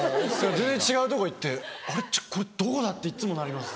全然違うとこ行って「これどこだ？」っていっつもなります。